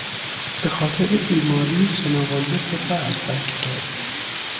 به خاطر بیماری شنوایی خود را از دست داد.